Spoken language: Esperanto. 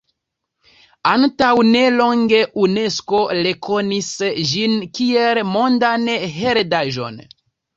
Antaŭ nelonge Unesko rekonis ĝin kiel Mondan Heredaĵon.